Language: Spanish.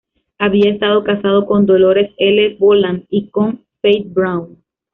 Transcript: Había estado casado con Dolores L. Boland y con Faith Brown.